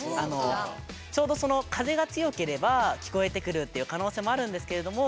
ちょうど風が強ければ聞こえてくるっていう可能性もあるんですけれども。